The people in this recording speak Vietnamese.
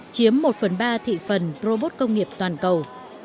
chiếm một phần ba thị phần robot công nghiệp toàn cầu